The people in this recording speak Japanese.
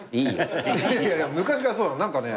いやいや昔からそうなの。